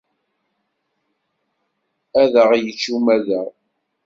Ad aγ-yečč umadaγ.